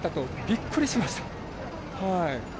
びっくりしました。